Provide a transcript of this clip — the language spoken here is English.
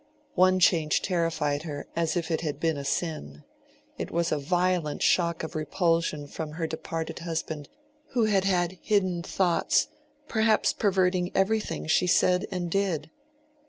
One change terrified her as if it had been a sin; it was a violent shock of repulsion from her departed husband, who had had hidden thoughts, perhaps perverting everything she said and did.